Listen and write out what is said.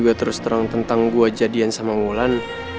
dia terus terang tentang gue jadian sama wulan